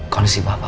kondisi bapak pak